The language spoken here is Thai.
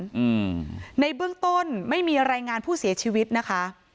อืมในเบื้องต้นไม่มีรายงานผู้เสียชีวิตนะคะ